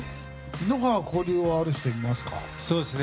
井ノ原、交流ある人いますか？